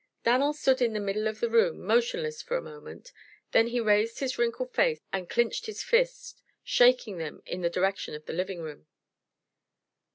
Dan'l stood in the middle of the room, motionless for a moment. Then he raised his wrinkled face and clinched his fists, shaking them in the direction of the living room.